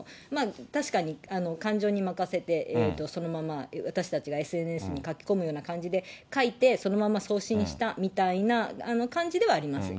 確かに感情に任せて、そのまま私たちがＳＮＳに書き込むような感じで、書いて、そのまま送信したみたいな感じではありますよね。